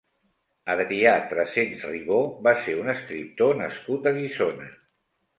Adrià Trescents Ribó va ser un escriptor nascut a Guissona.